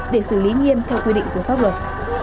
để xử lý nghiêm theo quy định của pháp luật